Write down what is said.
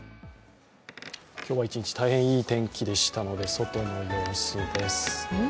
今日は１日大変いい天気でしたので外の様子です。